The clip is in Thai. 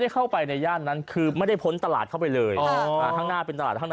คิทรบบอกว่าแกไม่รู้